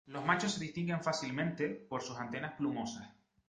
Los machos se distinguen fácilmente por sus antenas plumosas.